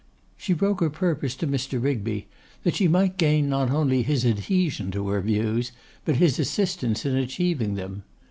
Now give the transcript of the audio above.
She broke her purpose to Mr. Rigby, that she might gain not only his adhesion to her views, but his assistance in achieving them.